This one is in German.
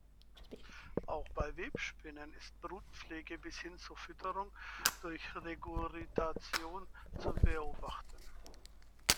Auch bei Webspinnen ist Brutpflege bis hin zur Fütterung durch Regurgitation zu beobachten.